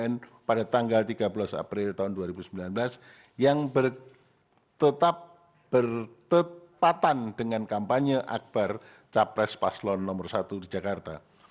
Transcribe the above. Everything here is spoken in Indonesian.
kemudian dianggap tiga bulan april dua ribu sembilan belas yang beri tanggal tiga belas april dua ribu sembilan belas yang bertetap bertepatan dengan kampanye akbar capres paslon nomor satu di jakarta